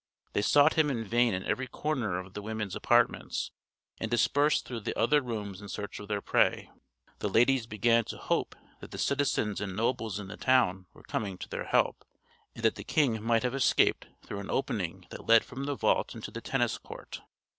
They sought him in vain in every corner of the women's apartments, and dispersed through the other rooms in search of their prey. The ladies began to hope that the citizens and nobles in the town were coming to their help, and that the king might have escaped through an opening that led from the vault into the tennis court.